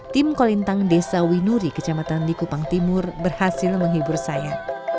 tim kolintang desa winuri kecamatan likupang timur berhasil menghibur saya